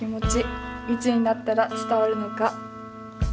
いつになったら伝わるのか」。